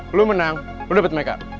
lu menang lu dapet mereka